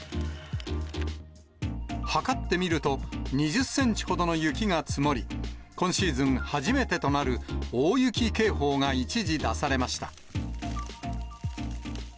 測ってみると、２０センチほどの雪が積もり、今シーズン初めてとなる大雪警報が一時出されました。